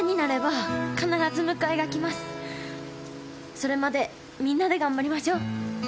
それまでみんなで頑張りましょう！